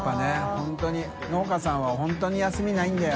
本当に農家さんは本当に休みないんだよ。